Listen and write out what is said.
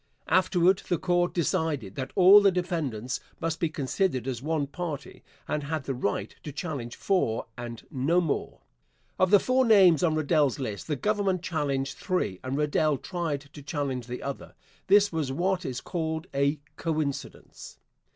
Afterward the Court decided that all the defendants must be considered as one party and had the right to challenge four and no more. Of the four names on Rerdell's list the Government challenged three and Rerdell tried to challenge the other. This was what is called a coincidence.